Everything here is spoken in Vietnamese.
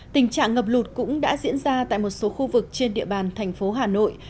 tình trạng ngập lụt cũng đã diễn ra tại một số khu vực trên địa bàn thành phố hà nội